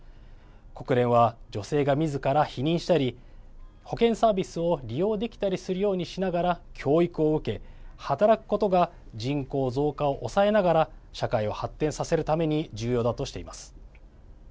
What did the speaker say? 国連は女性がみずから避妊したり保健サービスを利用できたりするようにしながら教育を受け働くことが人口増加を抑えながら社会を発展させるために重要だとしています。